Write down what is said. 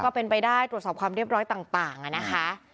ก็เป็นไปได้ตรวจสอบความเรียบร้อยต่างนะคะ